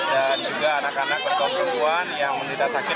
dan juga anak anak berkeluarga yang tidak sakit